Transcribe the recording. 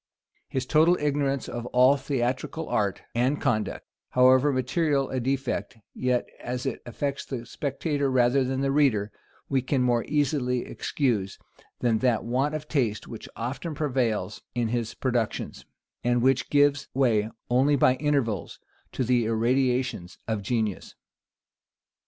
His total ignorance of all theatrical art and conduct, however material a defect, yet, as it affects the spectator rather than the reader, we can more easily excuse, than that want of taste which often prevails in his productions, and which gives way only by intervals to the irradiations of genius.